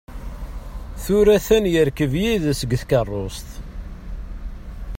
Tura a-t-an yerkeb d yid-s deg tkerrust.